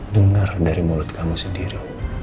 dengar dari mulut kamu sendiri